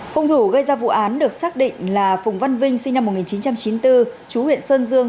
hùng thủ gây ra vụ án được xác định là phùng văn vinh sinh năm một nghìn chín trăm chín mươi bốn chú huyện sơn dương